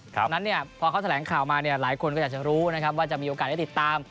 เพราะฉะนั้นพอเขาแสดงข่าวมาหลายคนก็จะรู้ว่าจะมีโอกาสได้ติดตาม